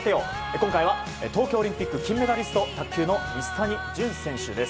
今回は東京オリンピック金メダリスト卓球の水谷隼選手です。